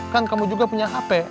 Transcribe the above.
kan kamu juga punya hp